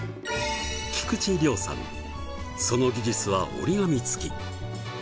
その技術は折り紙付き。